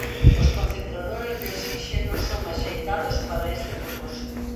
Os concentradores de oxíxeno son axeitados para este propósito.